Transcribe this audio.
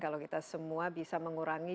kalau kita semua bisa mengurangi